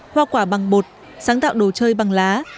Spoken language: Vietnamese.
hoa quả bằng bột sáng tạo đồ chơi bằng lá